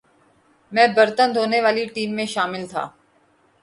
میں برتن دھونے والی ٹیم میں شامل تھا